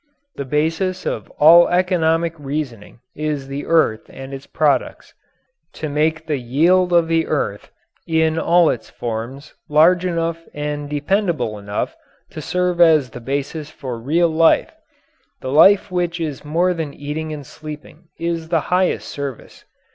The basis of all economic reasoning is the earth and its products. To make the yield of the earth, in all its forms, large enough and dependable enough to serve as the basis for real life the life which is more than eating and sleeping is the highest service.